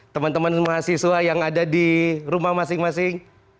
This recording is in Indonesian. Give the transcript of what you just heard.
teman teman mahasiswa yang ada di rumah masing masing